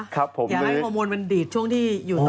อย่าให้โฮโมนมันดีดช่วงที่อยู่ตรงนั้น